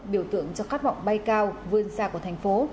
biểu tượng cho khát vọng bay cao vươn xa của thành phố